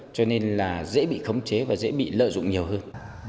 cho nên là dễ bị khống chế và dễ bị lợi dụng nhiều hơn